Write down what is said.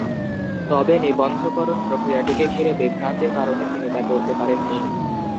তবে নিবন্ধকরণ প্রক্রিয়াটিকে ঘিরে বিভ্রান্তির কারণে তিনি তা করতে পারেন নি।